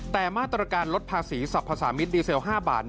แต่มาตรการลดภาษีสรรพสามิตรดีเซล๕บาท